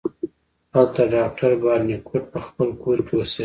هلته ډاکټر بارنیکوټ په خپل کور کې اوسیده.